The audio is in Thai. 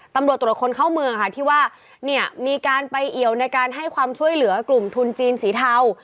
ตำรวจตรวจคนเข้าเมืองค่ะที่ว่าเนี่ยมีการไปเอี่ยวในการให้ความช่วยเหลือกลุ่มทุนจีนสีเทา